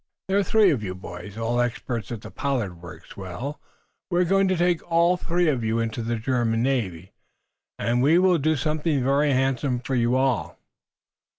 "There are three of you boys, all experts at the Pollard works. Well, we are going to take all three of you into the German navy, and we will do something very handsome for you all."